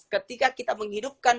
ketika kita menghidupkan